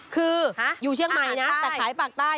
คืออยู่เชียงใหม่นะแต่ขายปากใต้